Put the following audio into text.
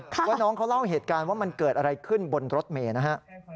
ว่าน้องเขาเล่าเหตุการณ์ว่ามันเกิดอะไรขึ้นบนรถเมย์นะฮะ